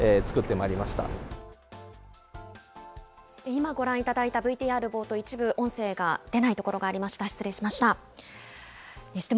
今、ご覧いただいたＶＴＲ冒頭、一部音声が出ないところがありました、失礼しました。